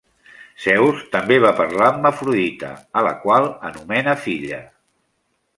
Zeus també va a parlar amb Afrodita, a la qual anomena filla.